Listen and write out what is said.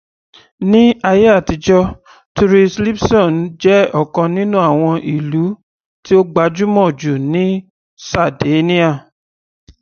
In ancient times, Turris Libyssonis was one of the most considerable cities in Sardinia.